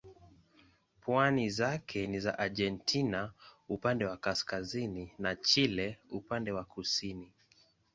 Pwani zake ni za Argentina upande wa kaskazini na Chile upande wa kusini.